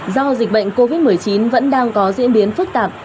do dịch bệnh covid một mươi chín vẫn đang có diễn biến phức tạp